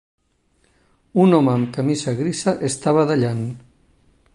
Un home amb camisa grisa està badallant.